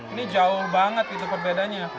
ini jauh banget gitu perbedaannya